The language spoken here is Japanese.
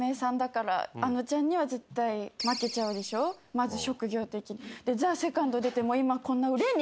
まず職業的に。